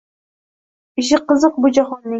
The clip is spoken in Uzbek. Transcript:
Ishi qiziq bu jahonning